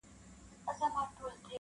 • ټول سرونه به پراته وي پر څپړو -